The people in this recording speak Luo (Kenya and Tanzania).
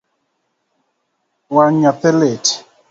Wang’ nyathi lit?